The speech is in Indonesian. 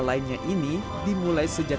lainnya ini dimulai sejak